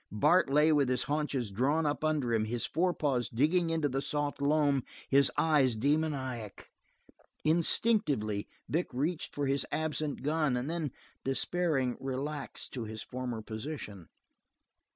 Bart lay with his haunches drawn up under him, his forepaws digging into the soft loam, his eyes demoniac. Instinctively Vic reached for his absent gun, and then, despairing, relaxed to his former position.